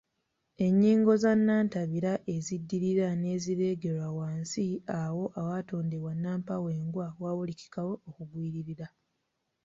ennyingo za nnantabira eziddirira ne zireegerwa wansi, awo awatondebwa nnampawengwa wawulikikawo okugwiririra.